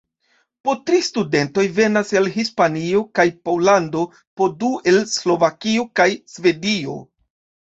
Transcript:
Po tri studentoj venas el Hispanio kaj Pollando, po du el Slovakio kaj Svedio.